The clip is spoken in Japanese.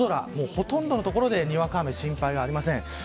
ほとんどの所でにわか雨、心配はありません。